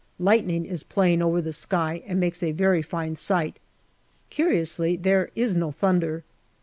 Lightning is playing over the sky and makes a very fine sight ; curiously, there is no thunder.